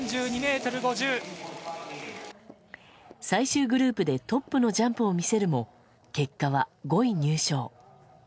最終グループでトップのジャンプを見せるも結果は５位入賞。